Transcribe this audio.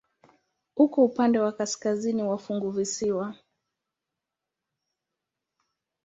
Uko upande wa kaskazini wa funguvisiwa.